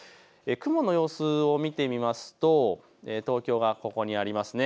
雲の様子を見てみると東京がここにあります。